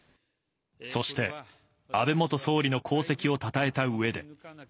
そして、安倍元総理の功績をたたえたうえで。